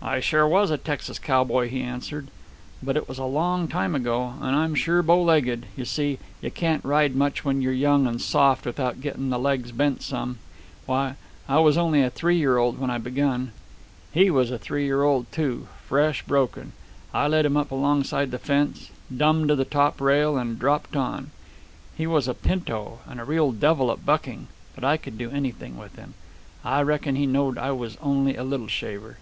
"I sure was a Texas cowboy," he answered. "But it was a long time ago. And I'm sure bow legged. You see, you can't ride much when you're young and soft without getting the legs bent some. Why, I was only a three year old when I begun. He was a three year old, too, fresh broken. I led him up alongside the fence, dumb to the top rail, and dropped on. He was a pinto, and a real devil at bucking, but I could do anything with him. I reckon he knowed I was only a little shaver.